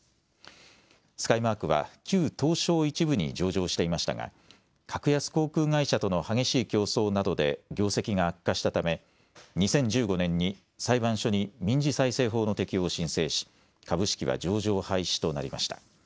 スカイマークは旧東証１部に上場していましたが格安航空会社との激しい競争などで業績が悪化したため２０１５年に裁判所に民事再生法の適用を申請し株式は上場廃止となりました。